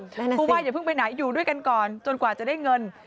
เพราะว่าอย่าเพิ่งไปไหนอยู่ด้วยกันก่อนจนกว่าจะได้เงิน